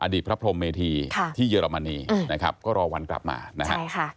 อดีตพระพรหมเมธีที่เยอรมนีนะครับก็รอวันกลับมานะครับ